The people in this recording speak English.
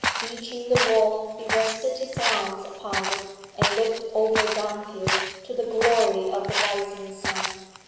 Beaching the wall he rested his arms upon it, and looked over Dunfield to the glory of the rising sun.